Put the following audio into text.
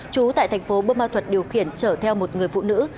chú tại thành phố bô mau thuật điều khiển chở theo một người phụ nữ